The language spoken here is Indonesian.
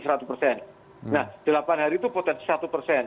nah delapan hari itu potensi satu persen